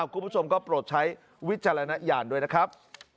คุณผู้ชมก็โปรดใช้วิจารณญาณด้วยนะครับ